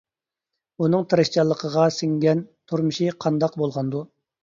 ئۇنىڭ تىرىشچانلىقىغا سىڭگەن تۇرمۇشى قانداق بولغاندۇ؟ !